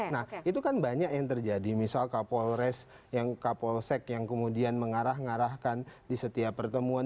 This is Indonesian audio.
nah itu kan banyak yang terjadi misal kapolres kapolsek yang kemudian mengarah ngarahkan di setiap pertemuan